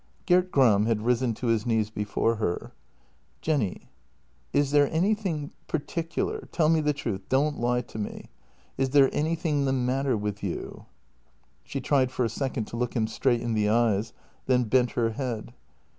Gert Gram had risen to his knees before her: " Jenny — is there anything — particular — tell me the truth — don't lie to me — is there anything the matter with you? " She tried for a second to look him straight in the eyes, then bent her head.